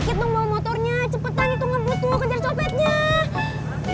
cepetan itu ngebut tuh kejar cobatnya